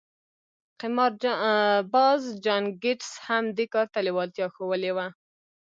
قمارباز جان ګيټس هم دې کار ته لېوالتيا ښوولې وه.